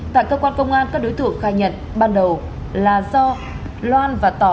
tại cơ quan công an các đối tượng khai nhận ban đầu là do loan và tỏ